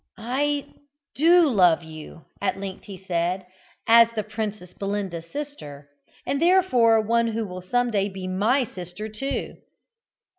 "I do love you," at length he said, "as the Princess Belinda's sister, and therefore one who will some day be my sister too!"